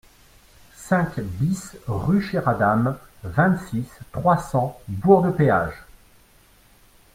cinq BIS rue Chéradame, vingt-six, trois cents, Bourg-de-Péage